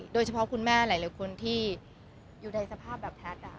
โดยเฉพาะคุณแม่หลายคุณที่อยู่ในสภาพแบบแทท